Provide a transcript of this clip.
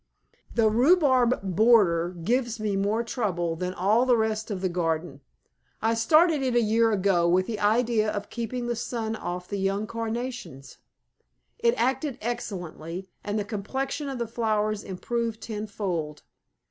THE RHUBARB BORDER gives me more trouble than all the rest of the garden. I started it a year ago with the idea of keeping the sun off the young carnations. It acted excellently, and the complexion of the flowers improved tenfold.